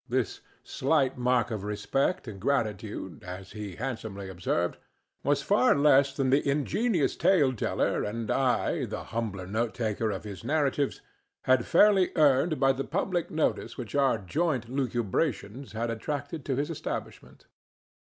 This slight mark of respect and gratitude, as he handsomely observed, was far less than the ingenious tale teller, and I, the humble note taker of his narratives, had fairly earned by the public notice which our joint lucubrations had attracted to his establishment.